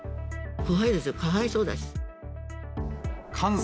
怖いですよ、かわいそうだし。